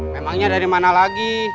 memangnya dari mana lagi